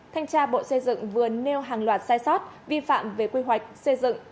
thanh tra bộ xây dựng vừa nêu hàng loạt sai sót vi phạm về quy hoạch xây dựng